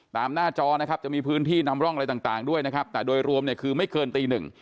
หน้าจอนะครับจะมีพื้นที่นำร่องอะไรต่างด้วยนะครับแต่โดยรวมเนี่ยคือไม่เกินตีหนึ่ง